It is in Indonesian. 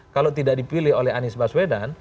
kalau tidak dipilih oleh anies baswedan